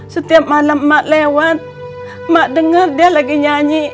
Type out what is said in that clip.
setiap malam emak lewat emak denger dia lagi nyanyi